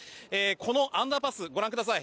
このアンダーパスご覧ください